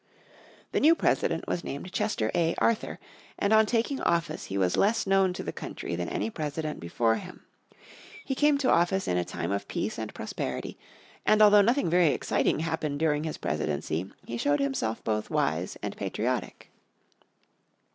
The new President was named Chester A. Arthur, and on taking office he was less known to the country than any President before him. He came to office in a time of peace and prosperity, and although nothing very exciting happened during his presidency he showed himself both wise and patriotic.